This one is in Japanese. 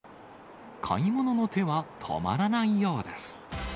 買い物の手は止まらないようです。